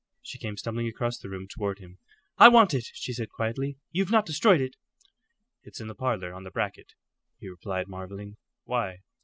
She came stumbling across the room toward him. "I want it," she said, quietly. "You've not destroyed it?" "It's in the parlour, on the bracket," he replied, marvelling. "Why?"